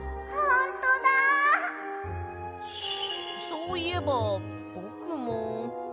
そういえばぼくも。